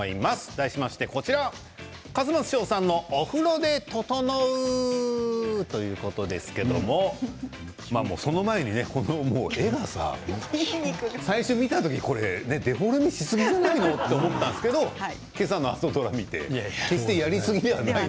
題しまして笠松将さんのお風呂で整う！ということですけれどもその前にね、この絵がさ最初、見た時デフォルメしすぎじゃないの？と思ったんですけれど今朝の朝ドラを見て決して、やりすぎではない。